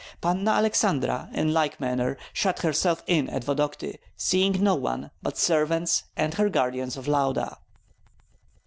Panna Aleksandra in like manner shut herself in at Vodokty, seeing no one but servants and her guardians of Lauda.